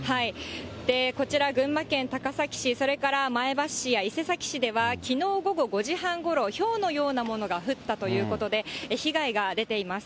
こちら、群馬県高崎市、それから前橋市や伊勢崎市では、きのう午後５時半ごろ、ひょうのようなものが降ったということで、被害が出ています。